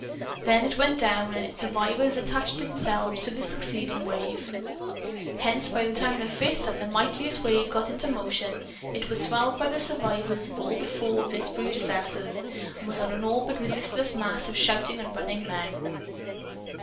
Then it went down, and its survivors attached themselves to the succeeding wave. Hence, by the time the fifth and mightiest wave got into motion, it was swelled by the survivors of all four of its predecessors and was an all but resistless mass of shouting and running men.